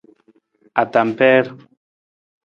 Atampeer.